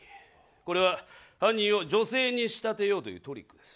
これは犯人を女性に仕立てようというトリックです。